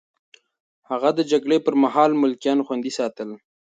هغه د جګړې پر مهال ملکيان خوندي ساتل.